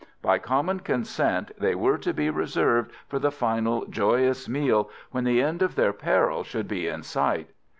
By common consent they were to be reserved for the final joyous meal when the end of their peril should be in sight.